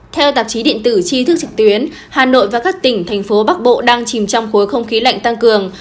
theo tạp chí điện tử tri thức trực tuyến hà nội và các tỉnh thành phố bắc bộ đang chìm trong khối không khí lạnh tăng cường